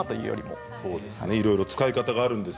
いろんな使い方があります。